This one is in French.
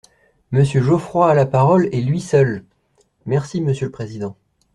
Monsieur Geoffroy a la parole, et lui seul ! Merci, monsieur le président.